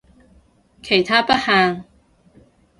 其他不限